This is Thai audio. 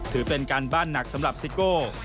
ถือเป็นการบ้านหนักสำหรับซิโก้